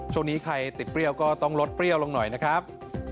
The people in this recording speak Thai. ช่วงนี้ใครติดเปรี้ยวก็ต้องลดเปรี้ยวลงหน่อยนะครับ